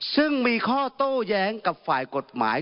ซึ่งมีข้อโต้แย้งกับฝ่ายกฎหมาย